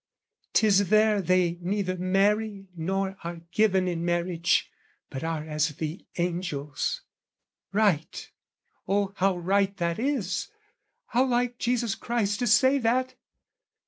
'Tis there they neither marry nor are given In marriage but are as the angels: right, Oh how right that is, how like Jesus Christ To say that!